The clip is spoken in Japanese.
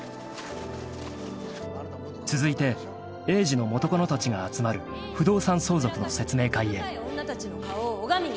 ［続いて栄治の元カノたちが集まる不動産相続の説明会へ］